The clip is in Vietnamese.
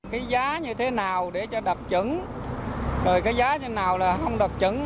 cái giá như thế nào để cho đặc trứng rồi cái giá như thế nào là không đặc trứng